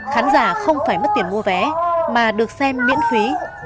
khán giả không phải mất tiền mua vé mà được xem miễn phí